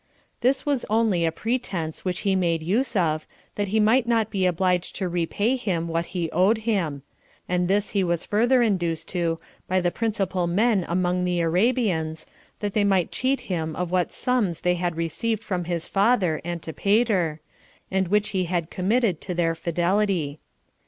This was only a pretense which he made use of, that he might not be obliged to repay him what he owed him; and this he was further induced to by the principal men among the Arabians, that they might cheat him of what sums they had received from [his father] Antipater, and which he had committed to their fidelity.